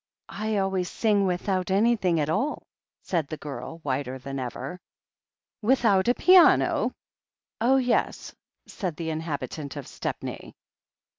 "I always sing without anything at all," said the girl, whiter than ever. "Without a piano?" "Oh, yes," said the inhabitant of Stepney.